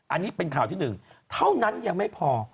อันนี้เป็นข่าวที่หนึ่งเท่านั้นยังไม่พอ